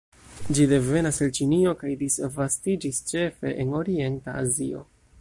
Ĝi devenas el Ĉinio, kaj disvastiĝis ĉefe en orienta Azio.